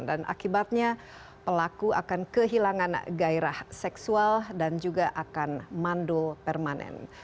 dan akibatnya pelaku akan kehilangan gairah seksual dan juga akan mandul permanen